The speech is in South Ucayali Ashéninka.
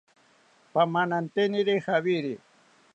Pamananteniri jawiri